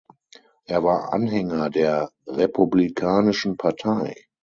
Er war Anhänger der Republikanischen Partei.